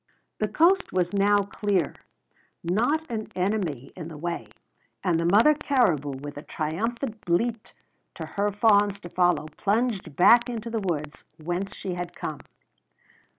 The coast was now clear, not an enemy in the way; and the mother caribou, with a triumphant bleat to her fawns to follow, plunged back into the woods whence she had come.